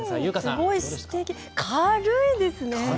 すごいすてき、軽いですね。